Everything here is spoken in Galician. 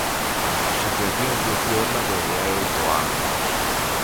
A asociación funciona desde hai oito anos.